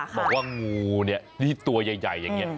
บอกว่างูเนี่ยที่ตัวใหญ่อย่างนี้